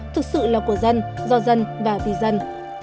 thực sự là của dân do dân và vì dân